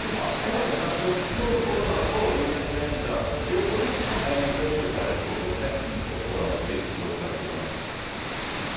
先生にお話を聞くと、コロナとインフルエンザ、両方早めに接種されることを推奨されていますので。